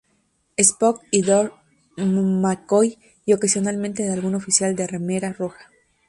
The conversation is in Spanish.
Spock, y Dr. McCoy, y ocasionalmente de algún oficial de remera roja.